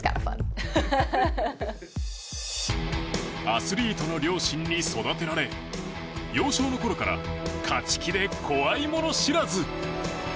アスリートの両親に育てられ幼少の頃から勝ち気で怖いもの知らず。